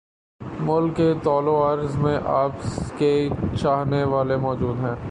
ملک کے طول وعرض میں آپ کے چاہنے والے موجود ہیں